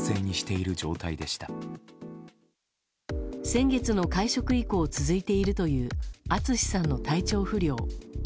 先月の会食以降続いているというＡＴＳＵＳＨＩさんの体調不良。